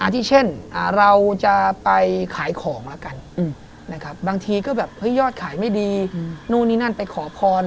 ที่เช่นเราจะไปขายของแล้วกันบางทีก็แบบยอดขายไม่ดีไปขอพร